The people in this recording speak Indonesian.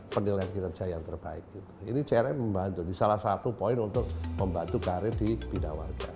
penilaian kinerja yang terbaik ini crn membantu di salah satu poin untuk membantu karir di bidang warga